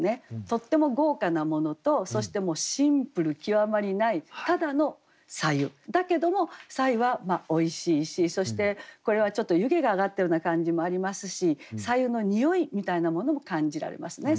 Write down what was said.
とっても豪華なものとそしてシンプル極まりないただの白湯だけども白湯はおいしいしそしてこれはちょっと湯気が上がったような感じもありますし白湯のにおいみたいなものも感じられますね。